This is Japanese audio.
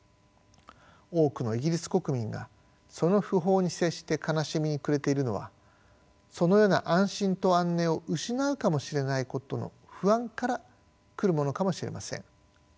多くのイギリス国民がその訃報に接して悲しみに暮れているのはそのような安心と安寧を失うかもしれないことの不安から来るものかもしれません。